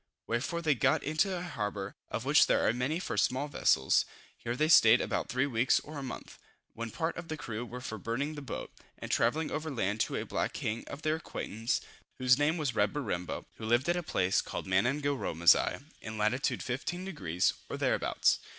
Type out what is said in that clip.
Wherefore they got into a harbor, of which there are many for small vessels. Here they stayed about three weeks or a month, when part of the crew were for burning the boat, and travelling over land to a black king of their acquaintance, whose name was Reberimbo, who lived at a place called Manangaromasigh, in lat. 15 deg. or thereabouts.